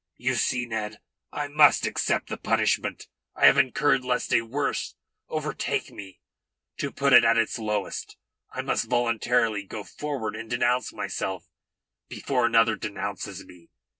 You see, Ned! I must accept the punishment I have incurred lest a worse overtake me to put it at its lowest. I must voluntarily go forward and denounce myself before another denounces me.